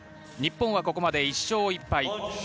日本はここまで１勝１敗。